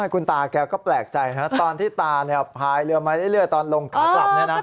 คุณตาแกก็แปลกใจตอนที่ตาพายเรือมาเรื่อยตอนลงขากลับ